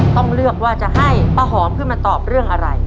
ต้องเลือกว่าจะให้ป้าหอมขึ้นมาตอบเรื่องอะไร